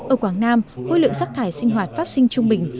ở quảng nam khối lượng rác thải sinh hoạt phát sinh trung bình